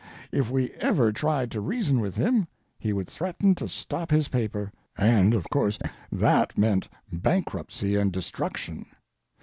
If we ever tried to reason with him, he would threaten to stop his paper, and, of course, that meant bankruptcy and destruction.